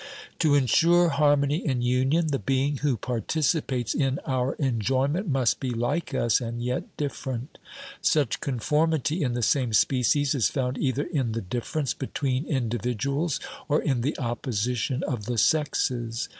To insure harmony in union, the being who participates in our enjoyment must be like us and yet different. Such con formity in the same species is found either in the difference between individuals or in the opposition of the sexes.